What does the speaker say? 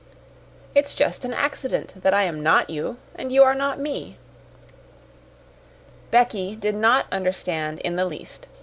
It's just an accident that I am not you, and you are not me!" Becky did not understand in the least.